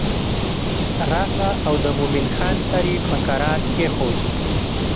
راغله او د مومن خان سر یې په کرار کېښود.